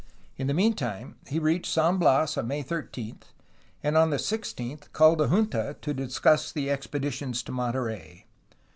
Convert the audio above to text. In the meantime he reached San Bias on May 13, and on the 16th called a junta to discuss the expeditions to Monterey.